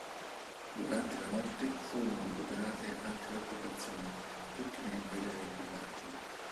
Durante la notte, furono recuperate altre otto persone, tutti membri dell'equipaggio.